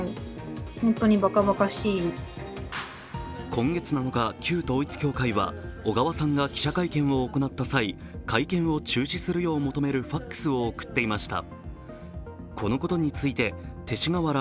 今月７日、旧統一教会は小川さんが記者会見を行った際、会見を中止するよう求めるＦＡＸを送っていました。